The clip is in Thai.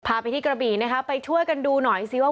พาไปที่กระบี่นะคะไปช่วยกันดูหน่อยซิว่า